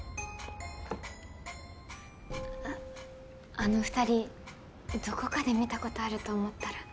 あの２人どこかで見たことあると思ったら。